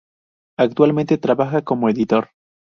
Actualmente trabaja como editor.